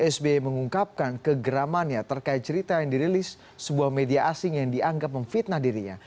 sbi mengungkapkan kegeramannya terkait cerita yang dirilis sebuah media asing yang dianggap memfitnah dirinya